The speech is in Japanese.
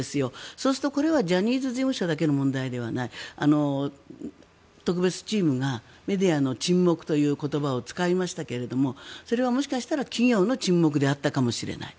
そうするとこれはジャニーズ事務所だけの問題ではない特別チームがメディアの沈黙という言葉を使いましたがそれはもしかしたら企業の沈黙であったかもしれない。